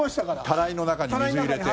たらいの中に水入れて。